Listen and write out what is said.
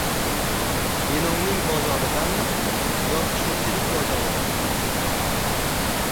Denovning bozoridanmi, yo, Sho‘rchining bozoridanmi?